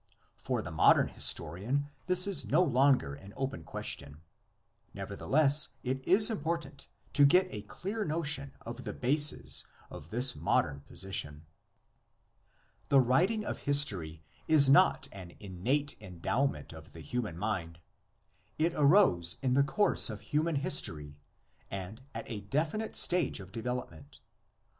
For the modern historian this is no longer an open question; nevertheless it is important to get a clear notion of the bases of this modern posi tion. The writing of history is not an innate endowment of the human mind; it arose in the course of human history and at a definite stage of development.